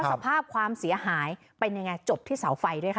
สภาพความเสียหายเป็นยังไงจบที่เสาไฟด้วยค่ะ